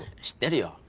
知ってるよ。